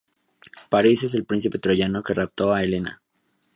Paris es el príncipe troyano que raptó a Helena.